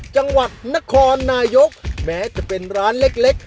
จังหวัดนครนายกแม้จะเป็นร้านเล็ก